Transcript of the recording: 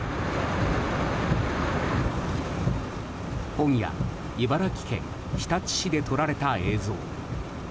今夜、茨城県日立市で撮られた映像。